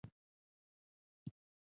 ترقي غوښتونکي ټولواک پښتو ته کار وکړ.